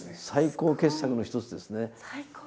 最高傑作の一つですね。